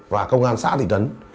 và công an xã thị trấn